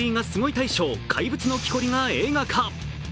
大賞「怪物の木こり」が映画化。